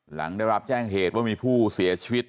หลังได้รับแจ้งเหตุว่ามีผู้เสียชีวิต